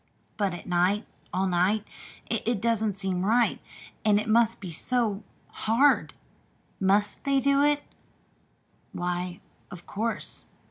"But at night all night it doesn't seem right. And it must be so hard. Must they do it?" "Why, of course.